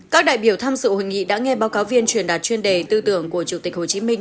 các đại biểu tham dự hội nghị đã nghe báo cáo viên truyền đạt chuyên đề tư tưởng của chủ tịch hồ chí minh